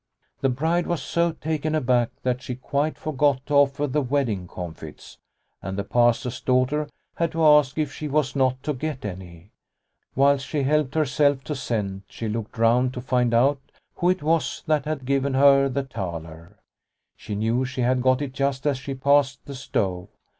The bride was so taken aback that she quite forgot to offer the wedding comfits, and the Pastor's daughter had to ask if she was not to get any. Whilst she helped herself to scent, she looked round to find out who it was that had given her the thaler. She knew she had got it just as she passed the stove.